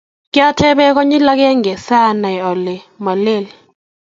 Kiatoben konyil aeng sanai ale malel